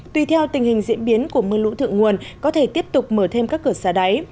tùy theo tình hình diễn biến của mưa lũ thượng nguồn có thể tiếp tục mở thêm các cửa xả đáy